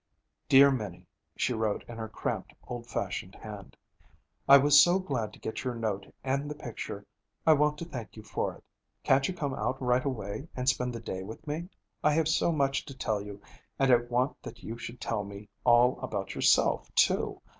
'Dear Minnie,' she wrote in her cramped, old fashioned hand, 'I was so glad to get your note and the picture. I want to thank you for it. Can't you come out right away and spend the day with me? I have so much to tell you, and I want that you should tell me all about yourself, too.